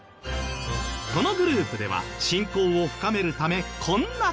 このグループでは親交を深めるためこんな事も。